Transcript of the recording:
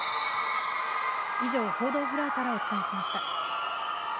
以上、報道フロアからお伝えしました。